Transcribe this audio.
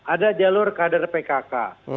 ada jalur kader pkk